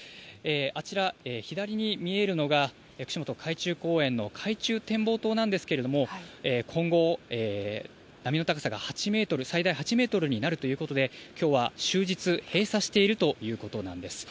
あちら左に見えるのが、串本海中公園の海中展望塔なんですけれども、今後、波の高さが８メートル、最大８メートルになるということで、きょうは終日、閉鎖しているということです。